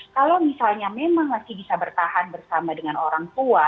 kalau misalnya memang masih bisa bertahan bersama dengan orang tua